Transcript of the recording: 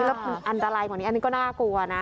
แล้วอันตรายกว่านี้อันนี้ก็น่ากลัวนะ